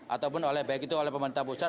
ataupun oleh baik itu oleh pemerintah pusat